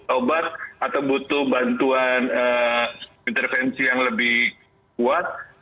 obat atau butuh bantuan intervensi yang lebih kuat